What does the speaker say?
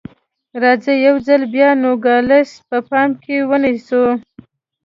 راځئ یو ځل بیا نوګالس په پام کې ونیسو.